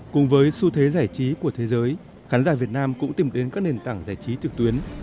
cùng với xu thế giải trí của thế giới khán giả việt nam cũng tìm đến các nền tảng giải trí trực tuyến